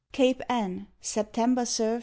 CAPE ANN, SEPTEMBER SURF.